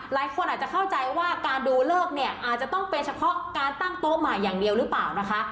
หลายคนอาจจะเข้าใจว่าการดูเลิกเนี่ยอาจจะต้องเป็นเฉพาะการตั้งโต๊ะใหม่อย่างเดียวหรือเปล่านะคะ